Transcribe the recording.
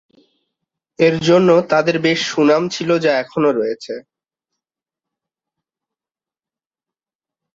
এরজন্য তাদের বেশ সুনাম ছিল যা এখনো রয়েছে।